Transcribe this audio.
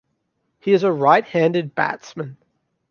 He is a right-handed batsman.